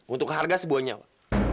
untuk harga sebuah nyawa